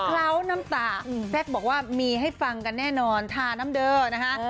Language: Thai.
เล้าน้ำตาแซคบอกว่ามีให้ฟังกันแน่นอนทาน้ำเด้อนะคะ